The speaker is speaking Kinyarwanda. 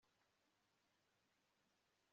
Iyi modoka ikora kuri alcool